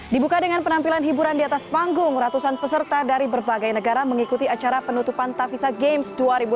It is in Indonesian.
dibuka dengan penampilan hiburan di atas panggung ratusan peserta dari berbagai negara mengikuti acara penutupan tavisa games dua ribu delapan belas